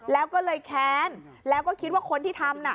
แล้วก็เลยแค้นแล้วก็คิดว่าคนที่ทำน่ะ